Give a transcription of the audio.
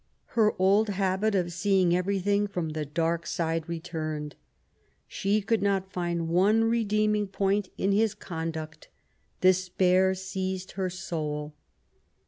Her old habit of seeing everything from the dark side returned. She could not find one redeeming point in his conduct. Despair seized her soul.